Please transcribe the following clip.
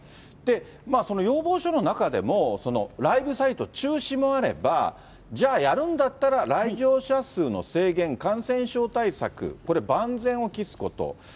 その要望書の中でも、ライブサイト中止もあれば、じゃあ、やるんだったら来場者数の制限、感染症対策、これ、万全を期すこと。